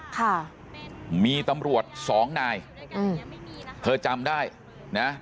ค่ะมีตำรวจสองนายอืมเธอจำได้นะ